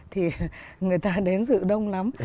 thì người ta đến dự đông lắm